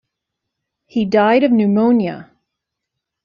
He died of pneumonia.